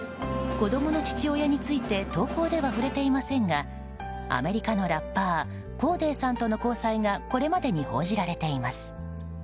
子供の父親について投稿で触れていませんがアメリカのラッパーコーデーさんとの交際がこれまでに報じられています。